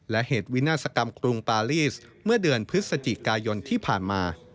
และเหตุวินาศกรรมกรุงปาลีสเมื่อเดือนพฤศจิกายนที่ผ่านมา